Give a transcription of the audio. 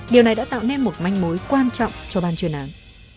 điều này đã tạo nên một manh mối quan trọng cho ban chuyên án